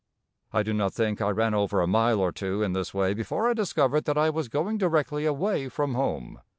I do not think I ran over a mile or two in this way before I discovered that I was going directly away from home.